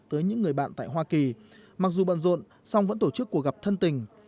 tới những người bạn tại hoa kỳ mặc dù bận rộn song vẫn tổ chức cuộc gặp thân tình